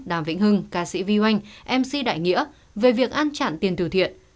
đàm vĩnh hưng ca sĩ vy oanh mc đại nghĩa về việc ăn chặn tiền từ thiện